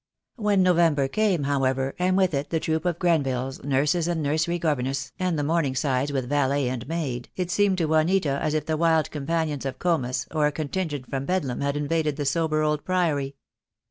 When November came, however, and with it the troop of Grenvilles, nurses and nursery governess, and the Morningsides with valet and maid, it seemed to Juanita as if the wild companions of Comus or a con tingent from Bedlam had invaded the sober old Priory.